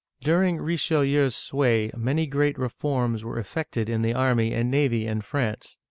During Richelieu's sway many great reforms were effected in the army and navy in France.